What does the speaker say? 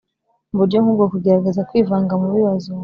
Mu buryo nk ubwo kugerageza kwivanga mu bibazo